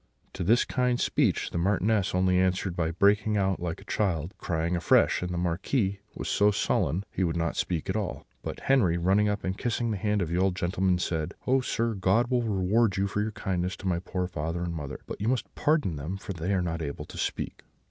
"To this kind speech the Marchioness only answered by breaking out like a child, crying afresh; and the Marquis was so sullen that he would not speak at all; but Henri, running up and kissing the hand of the old gentleman, said: "'Oh, sir, God will reward you for your kindness to my poor father and mother: you must pardon them if they are not able to speak.'